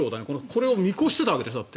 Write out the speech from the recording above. これを見越してたわけでしょ。